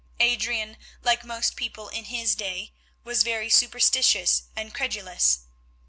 Adrian, like most people in his day, was very superstitious and credulous.